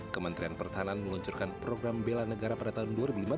kementerian pertahanan meluncurkan program bela negara pada tahun dua ribu lima belas